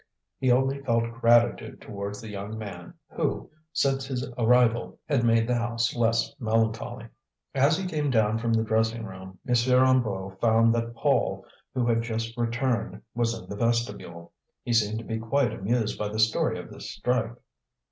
He only felt gratitude towards the young man who, since his arrival, had made the house less melancholy. As he came down from the dressing room, M. Hennebeau found that Paul, who had just returned, was in the vestibule. He seemed to be quite amused by the story of this strike.